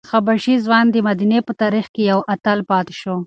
حبشي ځوان د مدینې په تاریخ کې یو اتل پاتې شو.